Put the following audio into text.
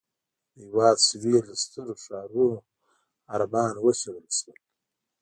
د هېواد سوېل له سترو ښارونو عربان وشړل شول.